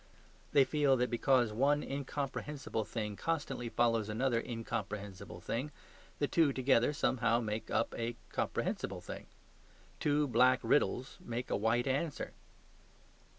They feel that because one incomprehensible thing constantly follows another incomprehensible thing the two together somehow make up a comprehensible thing. Two black riddles make a white answer.